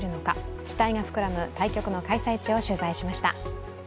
期待が膨らむ対局の開催地を取材しました。